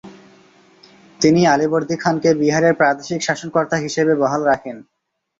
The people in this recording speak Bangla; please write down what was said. তিনি আলীবর্দী খানকে বিহারের প্রাদেশিক শাসনকর্তা হিসেবে বহাল রাখেন।